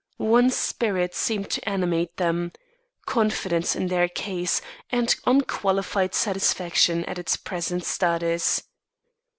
One spirit seemed to animate them confidence in their case, and unqualified satisfaction at its present status.